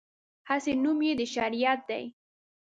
هسې نوم یې د شریعت دی.